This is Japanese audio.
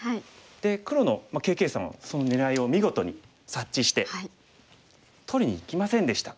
で黒のＫ．Ｋさんはその狙いを見事に察知して取りにいきませんでした。